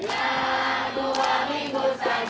hanya dua minggu saja